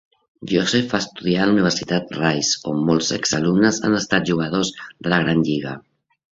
Joseph va estudiar a la Universitat Rice, on molts exalumnes han estat jugadors de la gran lliga.